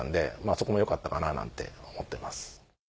そこも良かったかななんて思ってます。